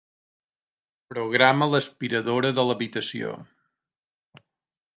Programa l'aspiradora de l'habitació.